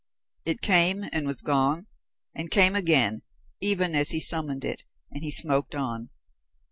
It came and was gone, and came again, even as he summoned it, and he smoked on.